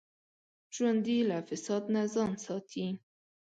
ژوندي له فساد نه ځان ساتي